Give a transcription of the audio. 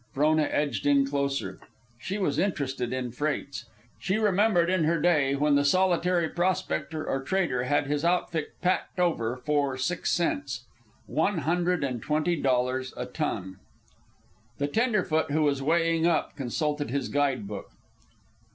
Frona edged in closer. She was interested in freights. She remembered in her day when the solitary prospector or trader had his outfit packed over for six cents, one hundred and twenty dollars a ton. The tenderfoot who was weighing up consulted his guide book.